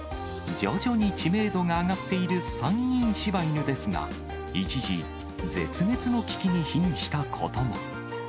徐々に知名度が上がっている山陰柴犬ですが、一時、絶滅の危機にひんしたことも。